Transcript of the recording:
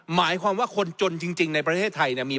หมายความว่าคนจนจริงในประเทศไทยเนี่ย